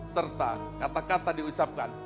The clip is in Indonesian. serta kata kata diucapkan